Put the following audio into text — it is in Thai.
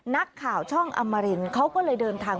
นักข่าวช่องอมรินเขาก็เลยเดินทาง